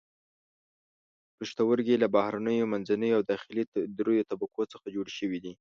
پښتورګي له بهرنیو، منځنیو او داخلي دریو طبقو څخه جوړ شوي دي.